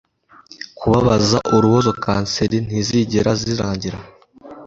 kubabaza urubozo, kanseri ntizigera zirangira